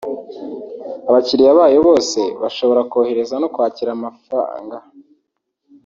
abakiriya bayo bose bashobora kohereza no kwakira amafanga